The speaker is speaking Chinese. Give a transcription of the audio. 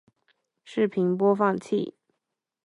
视频播放器